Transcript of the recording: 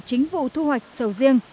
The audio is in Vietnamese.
chính vụ thu hoạch sầu riêng